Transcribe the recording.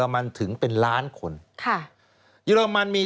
สวัสดีค่ะต้อนรับคุณบุษฎี